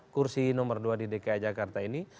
kursi nomor dua di dki jakarta ini